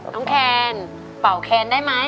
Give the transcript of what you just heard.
แคนเป่าแคนได้ไหม